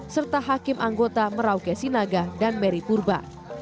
serta hakim anggota merauke sinaga dan mary purba